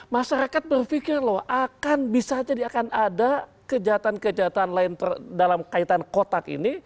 masyarakat berpikir loh akan bisa jadi akan ada kejahatan kejahatan lain dalam kaitan kotak ini